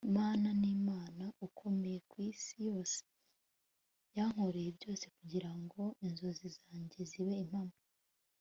mama ni mama ukomeye ku isi yose. yankoreye byose kugira ngo inzozi zanjye zibe impamo